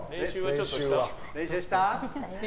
練習した？